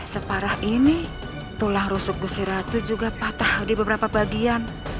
separah ini tulang rusuk gusi ratu juga patah di beberapa bagian